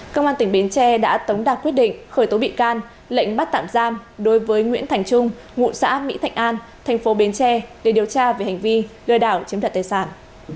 công an tỉnh bến tre đã tống đạt quyết định khởi tố bị can lệnh bắt tạm giam đối với nguyễn thành trung ngụ xã mỹ thạnh an thành phố bến tre để điều tra về hành vi lừa đảo chiếm đặt tài sản